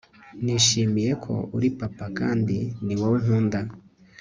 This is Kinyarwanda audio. nishimiye ko uri papa kandi niwowe nkunda